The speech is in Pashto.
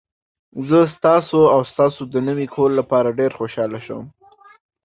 زه ستاسو او ستاسو د نوي کور لپاره ډیر خوشحاله یم.